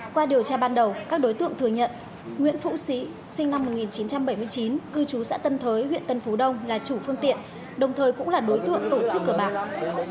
qua điều tra ban đầu các đối tượng thừa nhận nguyễn phụ sĩ sinh năm một nghìn chín trăm bảy mươi chín cư trú xã tân thới huyện tân phú đông là chủ phương tiện đồng thời cũng là đối tượng tổ chức cờ bạc